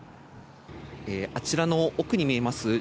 あちらの奥に見えます